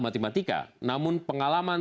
matematika namun pengalaman